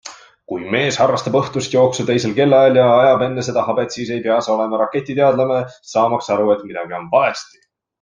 Kui mees harrastab õhtust jooksu teisel kellaajal ja ajab enne seda habet, siis ei pea sa olema raketiteadlane, saamaks aru, et midagi on valesti.